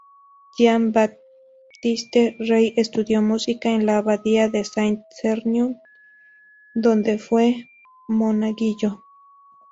Jean-Baptiste Rey estudió música en la Abadía de Saint-Sernin, donde fue monaguillo.